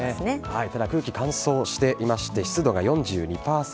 ただ空気乾燥していまして、湿度が４２％。